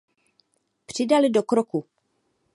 Přidali do kroku.